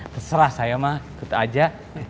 terserah saya mah ikut aja